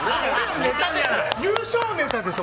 優勝ネタでしょ？